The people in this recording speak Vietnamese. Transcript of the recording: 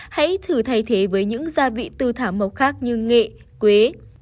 hãy thử thay thế với những gia vị từ thảm mộc khác như nghệ quế